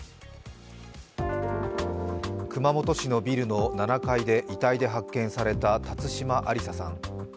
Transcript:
熊本市のビルの７階で遺体で発見された辰島ありささん。